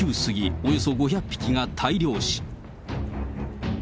およそ５００匹が大量死。